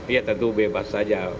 ya tentu bebas saja